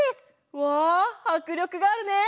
うわはくりょくがあるね！